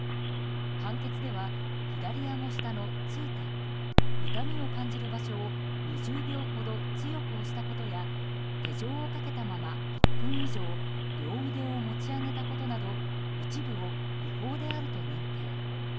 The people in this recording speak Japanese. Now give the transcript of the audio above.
判決では、左あご下の痛点痛みを感じる場所を２０秒ほど強く押したことや手錠をかけたまま１分以上両腕を持ち上げたことなど一部を違法であると認定。